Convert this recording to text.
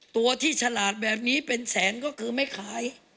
ตัวที่ฉลาดแบบนี้เป็นแสนก็คือไม่ขาย